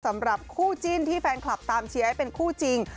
สำหรับคู่จิ้นที่แฟนคลับตามเชียร์ให้เป็นคู่จริง